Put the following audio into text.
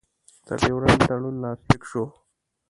د ډیورنډ تړون لاسلیک شو.